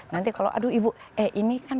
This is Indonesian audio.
nanti kalau aduh ibu eh ini kan